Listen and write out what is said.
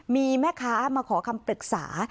มีแม่ค้ามาขอคำปรึกษา